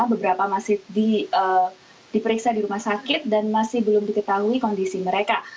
beberapa masih diperiksa di rumah sakit dan masih belum diketahui kondisi mereka